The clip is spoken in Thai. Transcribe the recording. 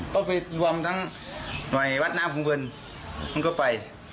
ก็ไปรวมทั้งหน่วยวัดน้ำภูเบิร์นมันก็ไป